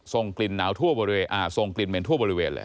ส่งกลิ่นเหม็นทั่วบริเวณเลย